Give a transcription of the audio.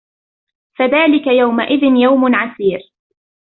فذلك يومئذ يوم عسير